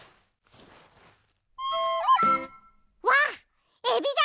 わっエビだ！